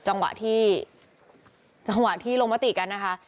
นี่จังหวะที่ลงมติกันนะคะ